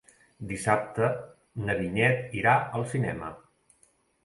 Dissabte na Vinyet irà al cinema.